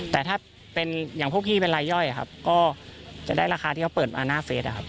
แต่ถ้าเป็นอย่างพวกพี่เป็นรายย่อยครับก็จะได้ราคาที่เขาเปิดมาหน้าเฟสนะครับ